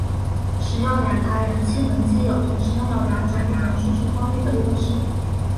使用两台燃气轮机有同时拥有两种不同输出功率的优势。